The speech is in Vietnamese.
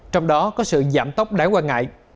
trong đó có sự giảm tốc đáng quan ngại